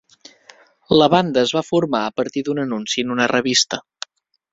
La banda es va formar a partir d'un anunci en una revista.